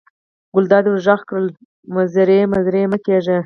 ګلداد ور غږ کړل: مزری مزری مه کېږه.